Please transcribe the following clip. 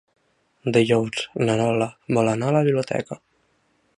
Dijous na Lola vol anar a la biblioteca.